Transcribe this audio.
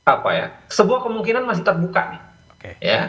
apa ya sebuah kemungkinan masih terbuka nih